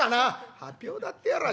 「発表だってやらあ。